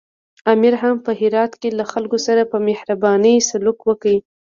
امیر هم په هرات کې له خلکو سره په مهربانۍ سلوک وکړ.